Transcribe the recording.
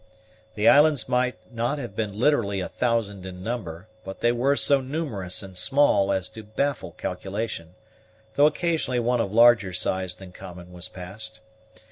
The islands might not have been literally a thousand in number, but they were so numerous and small as to baffle calculation, though occasionally one of larger size than common was passed.